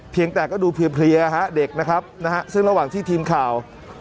แต่ก็ดูเพลียฮะเด็กนะครับนะฮะซึ่งระหว่างที่ทีมข่าว